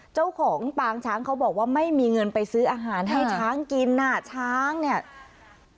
เจ้าของปางช้างเขาบอกว่าไม่มีเงินไปซื้ออาหารให้ช้างกินน่ะช้างเนี่ย